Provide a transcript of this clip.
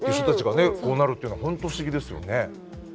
こうなるっていうのは本当不思議ですよね。